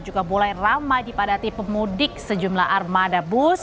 juga mulai ramai dipadati pemudik sejumlah armada bus